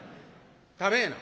食べえな」。